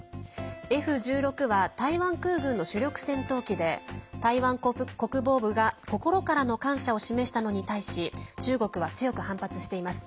Ｆ１６は台湾空軍の主力戦闘機で台湾国防部が心からの感謝を示したのに対し中国は強く反発しています。